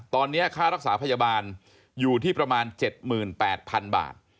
ตอนนี้ค่ารักษาพยาบาลอยู่ที่ประมาณ๗๘๐๐๐บาท